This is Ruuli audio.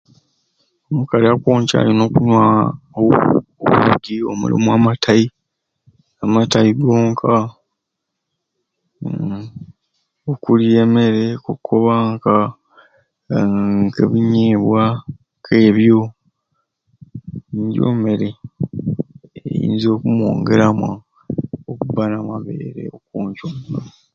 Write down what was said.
Omukali akwonca alina okunywa obuugi omulimu amatai, amatai gonka umm okulya emmere koba nka uum ebinyeebwa k'ebyo nijo mmere einza okumwongeramu okubba n'amabeere okwonca omwana.